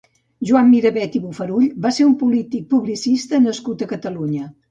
Joan Mirabet i Bofarull va ser un polític i publicista nascut a Catalunya.